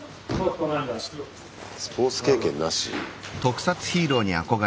スポーツ経験なし。